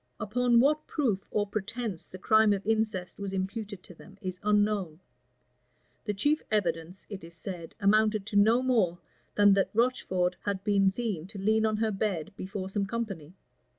Upon what proof or pretence the crime of incest was imputed to them, is unknown: the chief evidence, it is said, amounted to no more than that Rocheford had been seen to lean on her bed before some company.